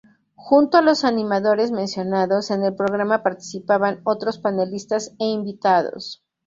Junto a los animadores mencionados, en el programa participaban otros panelistas e invitados.